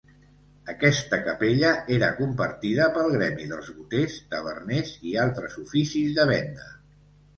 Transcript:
Aquesta capella, era compartida pel gremi dels boters, taverners i altres oficis de venda.